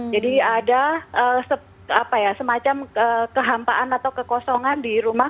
jadi ada semacam kehampaan atau kekosongan di rumah